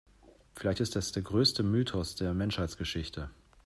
Vielleicht ist es der größte Mythos der Menschheitsgeschichte.